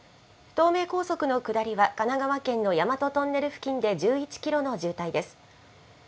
東名高速の下りは、神奈川県の大和トンネル付近で１１キロの渋滞です。